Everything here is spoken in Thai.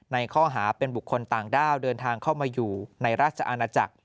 ในข้อหาเป็นบุคคลต่างด้าวเดินทางเข้ามาอยู่ในราชอาณาจักร